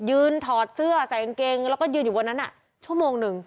ถอดเสื้อใส่กางเกงแล้วก็ยืนอยู่บนนั้นชั่วโมงหนึ่ง